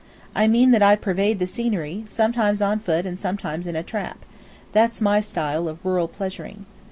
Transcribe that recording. "I mean that I pervade the scenery, sometimes on foot and sometimes in a trap. That's my style of rural pleasuring."